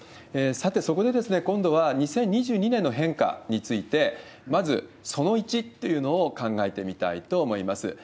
さて、そこで今度は２０２２年の変化について、まずその１っていうのを考えてみたいと思います。